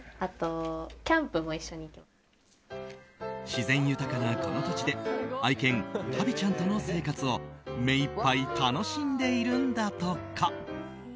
自然豊かなこの土地で愛犬タビちゃんとの生活を目いっぱい楽しんでいるんだとか。